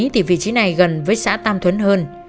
thì vị trí này gần với xã tam thuấn hơn